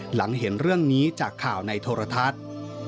หลังเห็นเรื่องนี้จากข่าวในโทรทัศน์